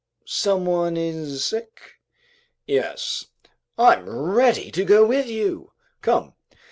"Someone is sick?" "Yes." "I'm ready to go with you." "Come."